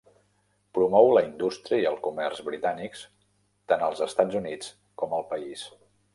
Promou la indústria i el comerç britànics tant als Estats Units com al país.